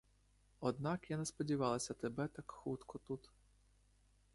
Однак я не сподівалася тебе так хутко тут.